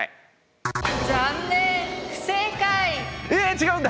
違うんだ。